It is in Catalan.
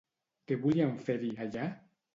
Què volien fer-hi, allà?